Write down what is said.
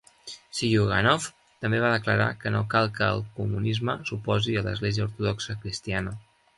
Zyuganov també va declarar que no cal que el comunisme s'oposi a l'Església Ortodoxa Cristiana.